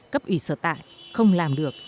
cấp ủy sở tại không làm được